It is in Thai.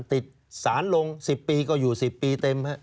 ติดสารลง๑๐ปีก็อยู่๑๐ปีเต็มครับ